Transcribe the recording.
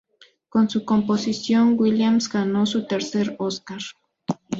Con su composición, Williams ganó su tercer Óscar.